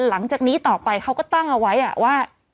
หลังจากนี้ต่อไปเขาก็ตั้งเอาไว้ว่า